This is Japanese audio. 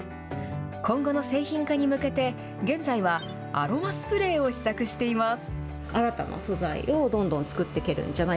今後の製品化に向けて、現在はアロマスプレーを試作しています。